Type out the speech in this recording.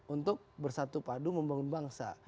untuk bersatu padu membangun bangsa